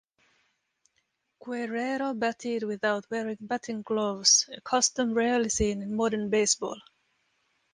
Guerrero batted without wearing batting gloves, a custom rarely seen in modern baseball.